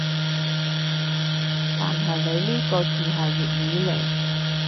但係你呢個字係粵語嚟